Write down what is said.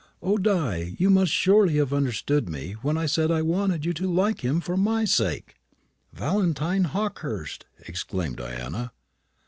O, Di, you must surely have understood me when I said I wanted you to like him for my sake!" "Valentine Hawkehurst!" exclaimed Diana.